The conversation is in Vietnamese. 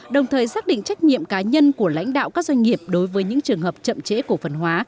đồng thời xác định trách nhiệm cá nhân của lãnh đạo các doanh nghiệp đối với những trường hợp chậm trễ cổ phần hóa